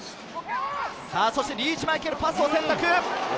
そしてリーチ・マイケル、パスを選択。